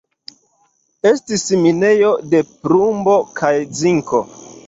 Estis minejo de plumbo kaj zinko.